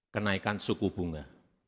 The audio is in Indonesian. kenaikan suku bunga